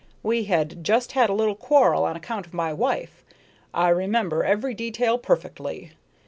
We had just had a little quarrel on account of my wife. I remember every detail perfectly.